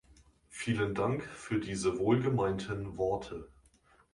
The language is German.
Vielen Dank für diese wohlgemeinten Worte.